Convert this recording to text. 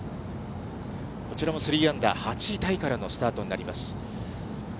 こちらも３アンダー、８位タイからのスタートになります。